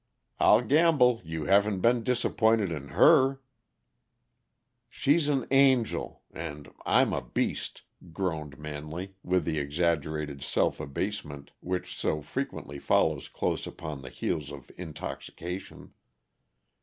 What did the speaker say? "I'll gamble you haven't been disappointed in her." "She's an angel and I'm a beast!" groaned Manley, with the exaggerated self abasement which so frequently follows close upon the heels of intoxication.